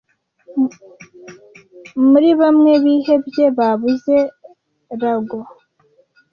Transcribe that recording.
Muri bamwe bihebye babuze Lagoon,